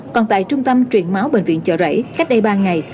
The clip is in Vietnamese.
còn tại trung tâm truyền máu bệnh viện chợ rẫy cách đây ba ngày